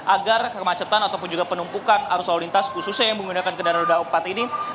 agar kemacetan ataupun juga penumpukan arus lalu lintas khususnya yang menggunakan kendaraan roda empat ini